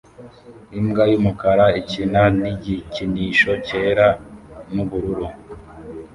Imbwa yumukara ikina nigikinisho cyera nubururu